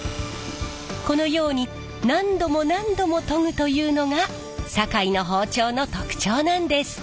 このように何度も何度も研ぐというのが堺の包丁の特徴なんです。